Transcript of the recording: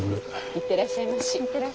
行ってらっしゃいまし。